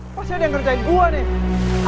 eh pasti ada yang ngerjain gue nih